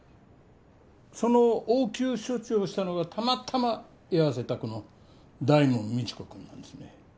その応急処置をしたのがたまたま居合わせたこの大門未知子君なんですね。